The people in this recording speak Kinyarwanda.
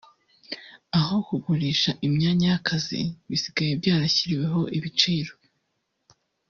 aho kugurisha imyanya y’akazi bisigaye byarashyiriweho ibiciro